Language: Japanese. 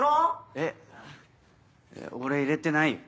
えっ俺入れてないよ。